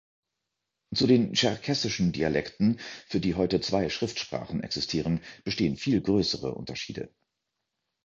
Zu den Tscherkessischen Dialekten, für die heute zwei Schriftsprachen existieren, bestehen viel größere Unterschiede.